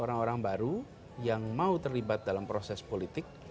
orang orang baru yang mau terlibat dalam proses politik